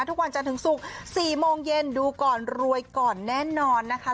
ทุกวันจันทร์ถึงศุกร์๔โมงเย็นดูก่อนรวยก่อนแน่นอนนะคะ